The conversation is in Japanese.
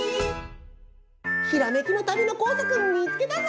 ひらめきの旅のこうさくみつけたぞ。